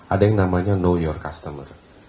ada yang namanya know your customer